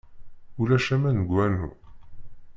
Ulac aman deg wanu.